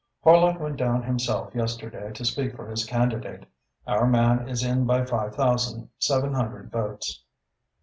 "Horlock went down himself yesterday to speak for his candidate. Our man is in by five thousand, seven hundred votes."